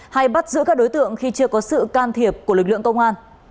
hay bắt giữ các đối tượng khi chưa có sự can thiệp của lực lượng công an